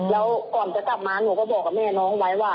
แล้วก่อนจะกลับมาหนูก็บอกกับแม่น้องไว้ว่า